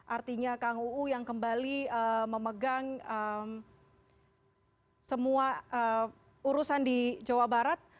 artinya kang uu yang kembali memegang semua urusan di jawa barat